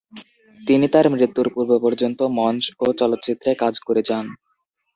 তিনি তার মৃত্যুর পূর্ব পর্যন্ত মঞ্চ ও চলচ্চিত্রে কাজ করে যান।